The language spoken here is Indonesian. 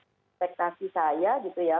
inspektasi saya gitu ya